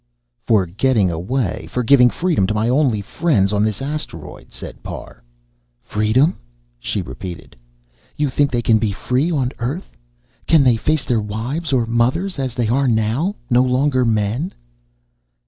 "For getting away, for giving freedom to my only friends on this asteroid," said Parr. "Freedom?" she repeated. "You think they can be free on Earth? Can they face their wives or mothers as they are now no longer men?"